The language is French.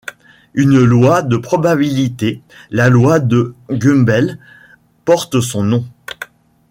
Une loi de probabilité, la loi de Gumbel, porte son nom.